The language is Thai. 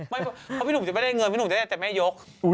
เพราะพี่หนุ่มจะไม่ได้เงินพี่หนุ่มจะได้แต่แม่ยก